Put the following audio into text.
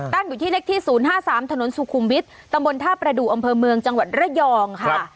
ตั้งอยู่ที่เลขที่๐๕๓ถนนสุขุมวิทย์ตำบลท่าประดูกอำเภอเมืองจังหวัดระยองค่ะ